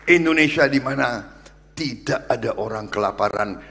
indonesia dimana tidak ada orang kelaparan